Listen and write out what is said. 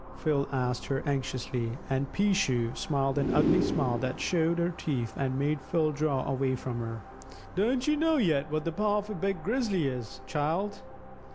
Phil asked her anxiously, and "Peeshoo" smiled an ugly smile that showed her teeth and made Phil draw away from her. "Don't you know yet what the paw of a big Grizzly is, child?